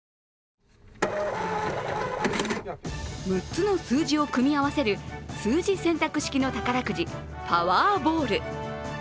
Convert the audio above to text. ６つの数字を組み合わせる数字選択式の宝くじパワーボール。